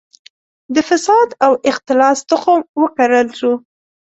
د فساد او اختلاس تخم وکرل شو.